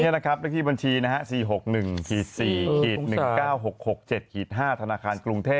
นี่นะครับที่บัญชีนะฮะ๔๖๑๔๑๙๖๖๗๕ธนาคารกรุงเทพฯ